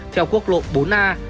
theo quốc lộ bốn a